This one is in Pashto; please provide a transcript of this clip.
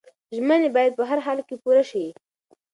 ژمنې باید په هر حال پوره شي.